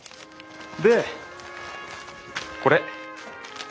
でこれ。